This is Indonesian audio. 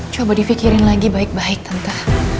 coba difikirin lagi baik baik entah